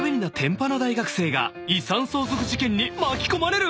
［遺産相続事件に巻き込まれる！？］